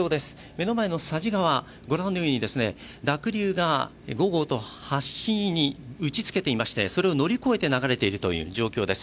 目の前の佐治川、ご覧のように濁流がゴーゴーと橋に打ちつけていましてそれを乗り越えて流れている状況です。